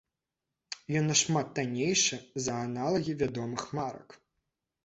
Ён нашмат таннейшы за аналагі вядомых марак.